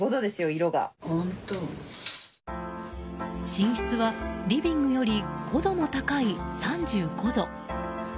寝室はリビングより５度も高い３５度。